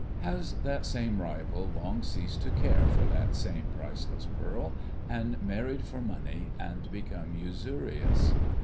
Has that same rival long ceased to care for that same priceless pearl, and married for money, and become usurious?